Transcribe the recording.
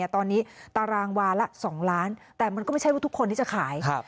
ตอนนี้ตารางวาละ๒ล้านแต่มันก็ไม่ใช่ว่าทุกคนที่จะขาย